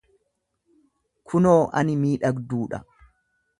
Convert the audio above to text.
kunoo ati miidhagduu dha,